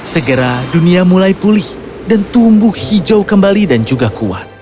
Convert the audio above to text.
segera dunia mulai pulih dan tumbuh hijau kembali dan juga kuat